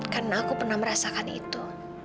karena aku pernah merasakan itu